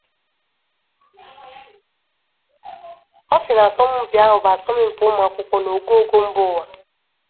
Ọ sị na asọmpi ahụ bụ asọmpi ụmụakwụkwọ n'ogoogo mba ụwa